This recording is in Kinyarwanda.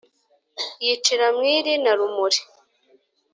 Yicira Mwiri na Rumuri.